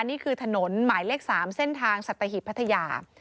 นี่คือถนนหมายเลข๓เส้นทางสัตหิบพัทยา